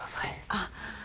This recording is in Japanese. あっ。